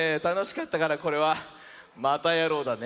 たのしかったからこれは「またやろう！」